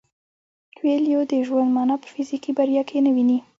کویلیو د ژوند مانا په فزیکي بریا کې نه ویني.